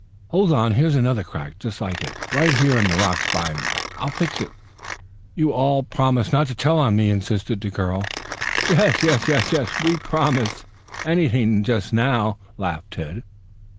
Hold on, here's another crack just like it, right here in the rocks by me. I'll fix it. You all promise not to tell on me?" insisted the girl. "Yes, yes, yes, we promise. We'll promise anything just now," laughed Ned.